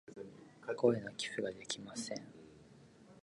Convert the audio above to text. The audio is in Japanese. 声の寄付ができません。